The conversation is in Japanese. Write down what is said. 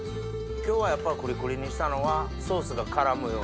今日はやっぱりクリクリにしたのはソースが絡むように？